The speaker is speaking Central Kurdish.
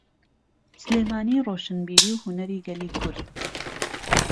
سلێمانی ڕۆشنبیری و هونەری گەلی کورد.